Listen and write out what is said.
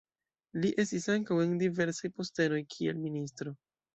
Li estis ankaŭ en diversaj postenoj kiel ministro.